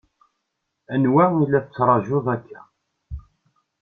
Anwa i la tettṛaǧuḍ akka?